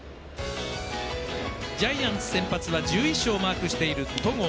ジャイアンツ先発は１１勝をマークしている戸郷。